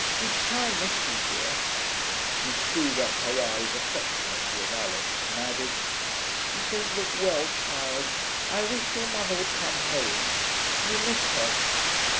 We shall miss you, dear.' She screwed up her eyes affectionately at Alix, and added, 'You don't look well, child. I wish your mother would come home. You miss her.'